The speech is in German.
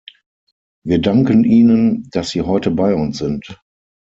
Wir danken Ihnen, dass Sie heute bei uns sind.